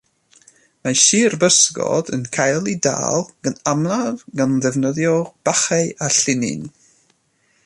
Mae sirbysgod yn cael eu dal gan amlaf gan ddefnyddio bachau a llinyn.